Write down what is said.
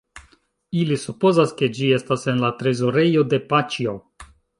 Ili supozas ke ĝi estas en la trezorejo de Paĉjo.